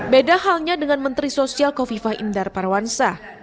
beda halnya dengan menteri sosial kofifah indar parwansa